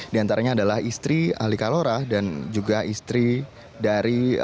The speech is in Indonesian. di antaranya adalah istri ali kalora dan juga istri dari